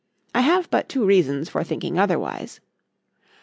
—I have but two reasons for thinking otherwise.